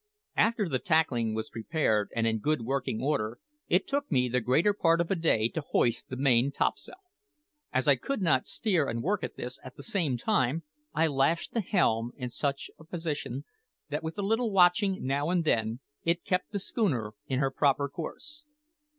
After the tackling was prepared and in good working order, it took me the greater part of a day to hoist the main topsail. As I could not steer and work at this at the same time, I lashed the helm in such a position that, with a little watching now and then, it kept the schooner in her proper course.